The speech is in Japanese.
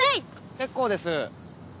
結構です。